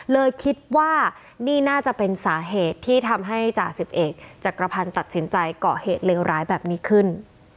เลยคิดว่านี่น่าจะเป็นสาเหตุที่ทำให้จ่าสิบเอกจักรพันธ์ตัดสินใจเกาะเหตุเลวร้ายแบบนี้ขึ้น